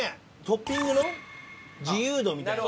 トッピングの自由度みたいな。